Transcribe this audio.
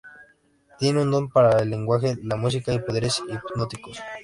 Tiene un don para el lenguaje, la música y poderes hipnóticos.